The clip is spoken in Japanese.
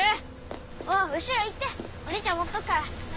もう後ろ行ってお兄ちゃん持っとくから。